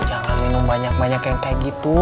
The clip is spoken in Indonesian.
jangan minum banyak banyak yang kayak gitu